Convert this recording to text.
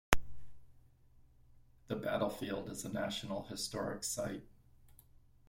The battlefield is a National Historic Site.